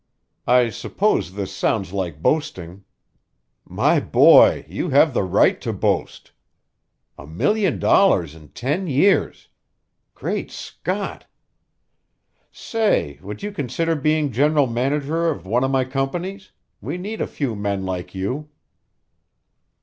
I suppose this sounds like boasting " "My boy, you have the right to boast! A million dollars in ten years! Great Scott! Say, would you consider being general manager of one of my companies? We need a few men like you."